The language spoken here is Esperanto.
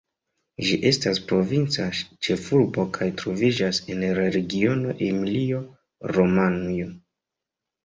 Ĝi estas provinca ĉefurbo kaj troviĝas en la regiono Emilio-Romanjo.